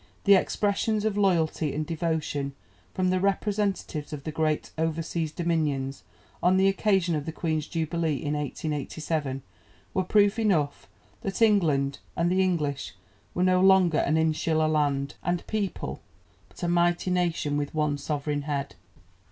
The expressions of loyalty and devotion from the representatives of the great over seas dominions on the occasion of the Queen's Jubilee in 1887 were proof enough that England and the English were no longer an insular land and people, but a mighty nation with one sovereign head.